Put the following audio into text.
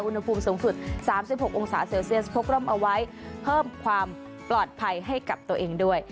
อุณหภูมิสูงสุด๓๖องศาเซลเซียสพมเอาไว้เพิ่มความปลอดภัยให้กับตัวเองด้วย